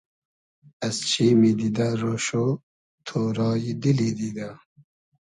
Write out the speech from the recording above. از چیمی دیدۂ رۉشۉ ، تۉرای دیلی دیدۂ